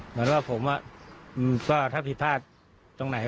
เหมือนว่าผมก็ถ้าผิดพลาดตรงไหน